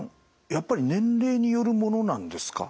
やっぱり年齢によるものなんですか？